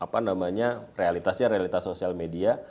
apa namanya realitasnya realitas sosial media